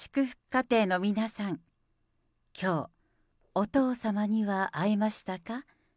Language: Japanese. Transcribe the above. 家庭の皆さん、きょう、お父様には会えましたか？